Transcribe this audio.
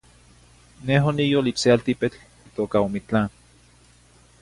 Neh oniyol ich ce altipetl itoca Omitlán.